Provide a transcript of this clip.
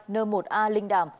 nơ một a linh đàm